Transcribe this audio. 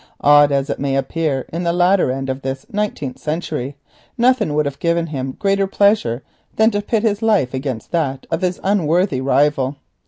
Odd as it may appear in the latter end of this nineteenth century, nothing would have given him greater pleasure than to put his life against that of his unworthy rival.